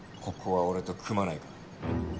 ここは俺と組まないか？